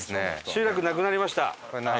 集落なくなりました。